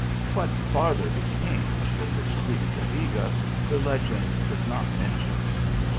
What farther became of the discreet Cadiga, the legend does not mention.